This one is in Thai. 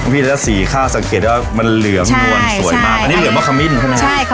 แล้วสีข้าวสังเกตว่ามันเหลืองนวลสวยมากอันนี้เหลืองมะขมิ้นใช่ไหมครับ